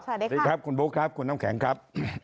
สวัสดีครับคุณบุ๊คครับคุณน้ำแข็งครับ